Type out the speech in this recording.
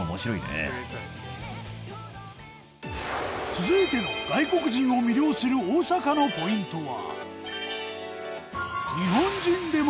続いての外国人を魅了する大阪のポイントは。